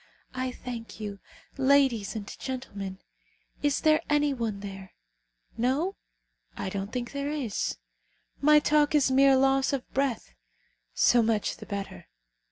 I thank you, ladies and gentlemen. Is there any one there? No? I don't think there is. My talk is mere loss of breath. So much the better.